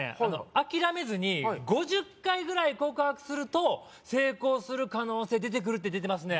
諦めずに５０回ぐらい告白すると成功する可能性出てくるって出てますね